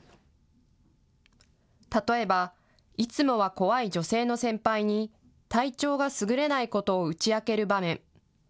例えばいつもは怖い女性の先輩に、体調がすぐれないことを打ち明ける場面。